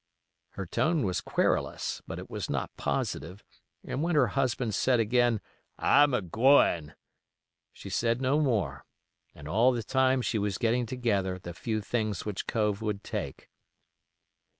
Her tone was querulous, but it was not positive, and when her husband said again, "I'm a gwine," she said no more, and all the time she was getting together the few things which Cove would take.